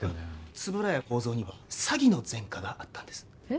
円谷耕三には詐欺の前科があったんですえっ？